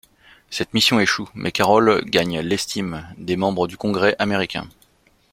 Cette mission échoue mais Carroll gagne l’estime des membres du Congrès américain.